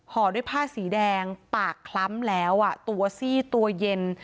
ห่อด้วยผ้าสีแดงปากคล้ำแล้วตัวซี่ตัวเย็น